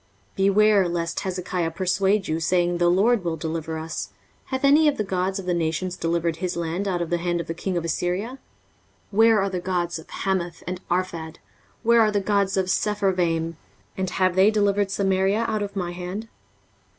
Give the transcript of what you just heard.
23:036:018 Beware lest Hezekiah persuade you, saying, the LORD will deliver us. Hath any of the gods of the nations delivered his land out of the hand of the king of Assyria? 23:036:019 Where are the gods of Hamath and Arphad? where are the gods of Sepharvaim? and have they delivered Samaria out of my hand?